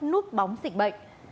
nút bóng dịch bệnh